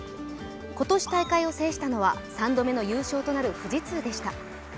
今年大会を制したのは３度目の優勝となる富士通でした。